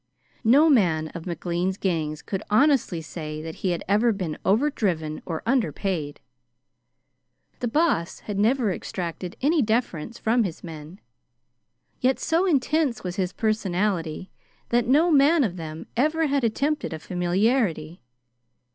No man of McLean's gangs could honestly say that he ever had been overdriven or underpaid. The Boss never had exacted any deference from his men, yet so intense was his personality that no man of them ever had attempted a familiarity.